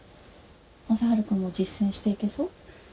・雅治君も実践していけそう？